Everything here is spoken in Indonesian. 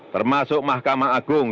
termasuk mahkamah agung